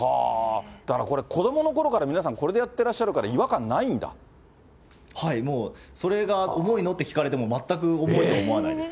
だからこれ、子どものころから皆さん、これでやってらっしゃもうそれが重いのって聞かれても、全く重いと思わないです。